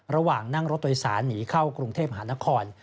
ระหว่างนั่งรถโดยสารหนีเข้ากรุงเทพหานคร